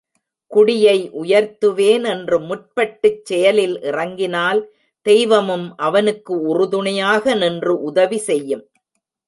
குடியை உயர்த்துவேன் என்று முற்பட்டுச் செயலில் இறங்கினால் தெய்வமும் அவனுக்கு உறுதுணையாக நின்று உதவி செய்யும்.